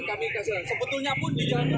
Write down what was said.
kami kesel sebetulnya pun di jalan ini